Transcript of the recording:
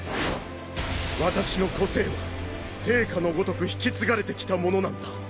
私の個性は聖火のごとく引き継がれて来たものなんだ。